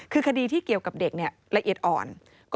คือคดีที่เกี่ยวกับเด็กละเอียดอ่อน